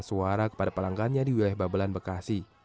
suara kepada pelanggannya di wilayah babelan bekasi